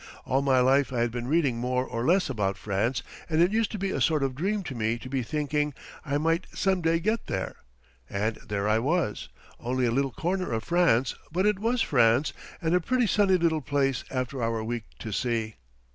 All my life I had been reading more or less about France, and it used to be a sort of dream to me to be thinking I might some day get there. And there I was only a little corner of France, but it was France, and a pretty sunny little place after our week to sea.